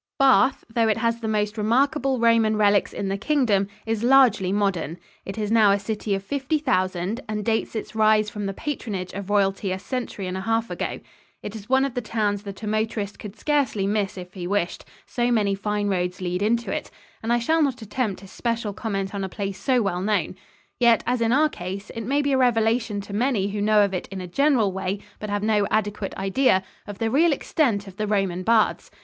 Bath, though it has the most remarkable Roman relics in the Kingdom, is largely modern. It is now a city of fifty thousand and dates its rise from the patronage of royalty a century and a half ago. It is one of the towns that a motorist could scarcely miss if he wished so many fine roads lead into it and I shall not attempt especial comment on a place so well known. Yet, as in our case, it may be a revelation to many who know of it in a general way but have no adequate idea of the real extent of the Roman baths.